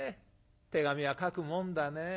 手紙は書くもんだね。